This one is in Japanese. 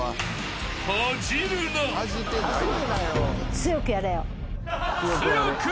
［強くやれ！］